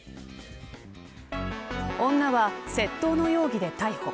女は窃盗の容疑で逮捕。